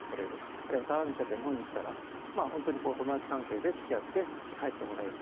あるいは台湾の人が日本に来たら本当に友達関係で付き合って帰ってもらうと。